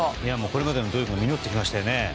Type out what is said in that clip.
これまでの努力が実ってきましたね。